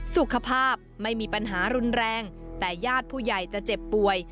สุขภาพไม่มีปัญหารุนแรงแต่ญาติผู้ใหญ่จะเจ็บป่วย